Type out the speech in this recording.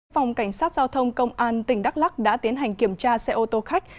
phòng cảnh sát giao thông công an tỉnh đắk lắc đã tiến hành kiểm tra xe ô tô khách